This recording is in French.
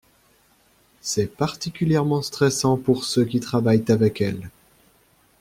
C'est particulièrement stressant pour ceux qui travaillent avec elle.